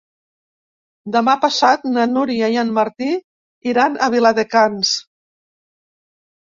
Demà passat na Núria i en Martí iran a Viladecans.